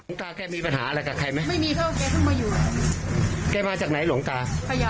มาวัดนี้อยากให้เมซีมาช่วยอยู่กัน